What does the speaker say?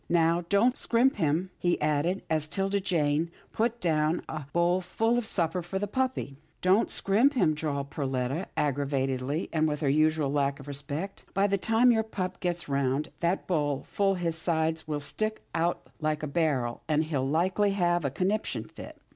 " Now don't scrimp him," he added, as 'Tilda Jane put down a bowl full of supper for the puppy. Don't scrimp him," drawled Perletta, aggravat ingly, and with her usual lack of respect. " By the time your pup gets round that bowl full his sides will stick out like a barrel, an' he'll likely have a conniption fit."